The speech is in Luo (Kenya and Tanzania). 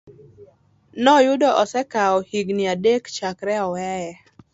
noyudo osekawo higini adek chakre oweye.